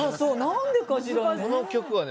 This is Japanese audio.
何でかしらね。